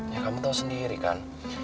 ya kamu tahu sendiri kan